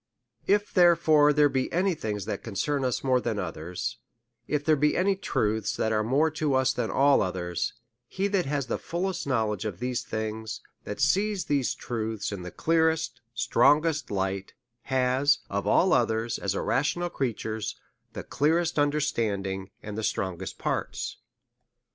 If therefore there be any things that concern us more than others, if there be any truths that are more to us than all others, he that has the fullest knowledge of these things, that sees these tiuths in the clearest, strongest light, has, of all others, as a rational crea ture, the clearest understanding, and the strongest parts.